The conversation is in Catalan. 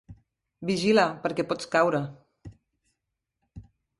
Vigila, perquè pots caure.